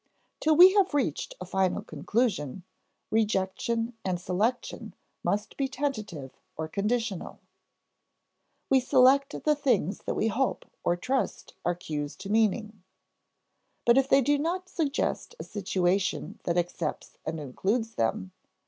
Till we have reached a final conclusion, rejection and selection must be tentative or conditional. We select the things that we hope or trust are cues to meaning. But if they do not suggest a situation that accepts and includes them (see p.